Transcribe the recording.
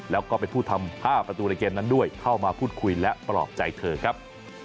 แล้วก็เป็นผู้ทำ๕ประตูในเกมนั้นด้วยเข้ามาพูดคุยและปลอบใจเธอครับ